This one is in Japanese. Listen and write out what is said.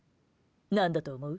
何だと思う？